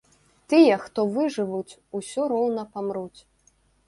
Тыя, хто выжывуць, усё роўна памруць.